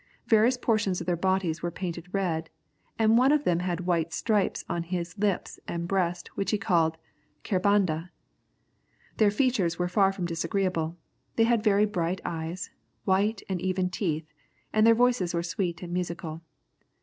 Various portions of their bodies were painted red, and one of them had white stripes on his lips and breast which he called 'carbanda.' Their features were far from disagreeable; they had very bright eyes, white and even teeth, and their voices were sweet and musical.